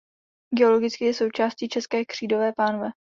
Geologicky je součástí České křídové pánve.